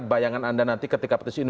bayangan anda nanti ketika petisi ini